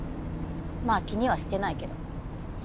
まあ気にはしてないけど。